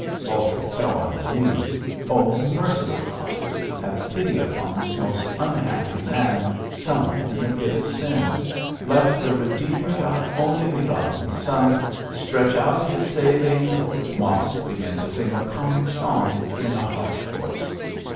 Baltic fell on his knees. 'Oh, merciful God, have pity upon this most unhappy man sunk in the pit of sin. Let the Redeemer, Thy only begotten Son, stretch out His saving ' Mosk began to sing a comic song in a harsh voice.